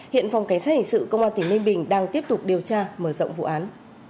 hiện phòng kế xã hội sự công an tỉnh ninh bình đang tiếp tục điều tra mở rộng vụ án